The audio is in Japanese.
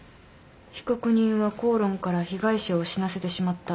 被告人は口論から被害者を死なせてしまった。